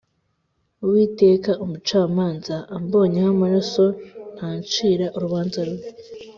Uwiteka umucamanza ambonyeho amaraso ntancira urubanza rubi